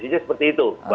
jadi seperti itu